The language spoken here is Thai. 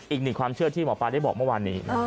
อีกหนึ่งความเชื่อที่หมอปลาได้บอกเมื่อวานนี้